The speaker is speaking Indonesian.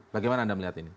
bagaimana anda melihat ini